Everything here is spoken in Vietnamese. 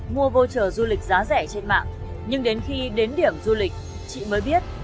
mua voucher du lịch giá rẻ trên mạng nhưng đến khi đến điểm du lịch chị mới biết